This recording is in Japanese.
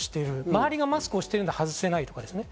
周りがマスクをしているので外せない。